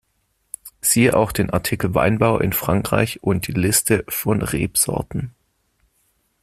Siehe auch den Artikel Weinbau in Frankreich und die Liste von Rebsorten.